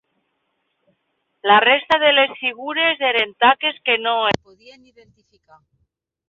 La resta de les figures eren taques que no es podien identificar.